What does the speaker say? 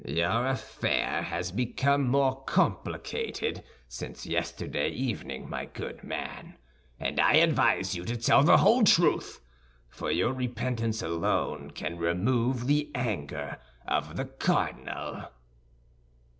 "Your affair has become more complicated since yesterday evening, my good man, and I advise you to tell the whole truth; for your repentance alone can remove the anger of the cardinal."